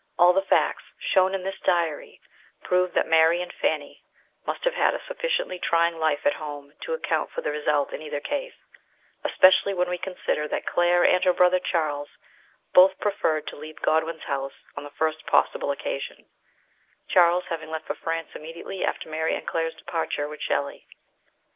All tbe facts shown in this diary prove that Mary and Fanny must have had a sufficiently trying life at home to account for the result in either case, especially when we consider that Claire and her brother Charles both preferred to leave Godwin's house on the first possible occasion, Charles having left for France immediately after Mary's and Claire's departure with Shelley.